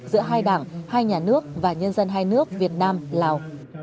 giữa hai đảng hai nhà nước và nhân dân hai nước việt nam lào